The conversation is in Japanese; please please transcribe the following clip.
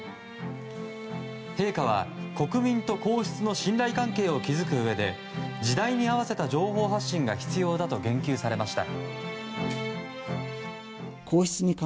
陛下は、国民と皇室の信頼関係を築くうえで時代に合わせた情報発信が必要だと言及されました。